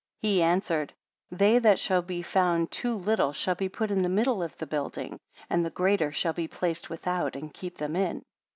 He answered; They that shall be found too little shall be put into the middle of the building, and the greater shall be placed without, and keep them in.